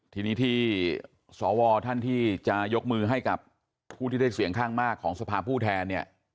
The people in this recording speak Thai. ทีนี้ที่สวท่านที่จะยกมือให้กับผู้ที่ได้เสียงข้างมากของสภาผู้แทนเนี่ย